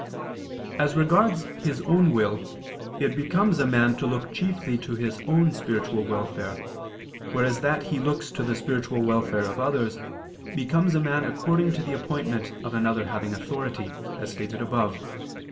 As regards his own will it becomes a man to look chiefly to his own spiritual welfare, whereas that he look to the spiritual welfare of others becomes a man according to the appointment of another having authority, as stated above (A.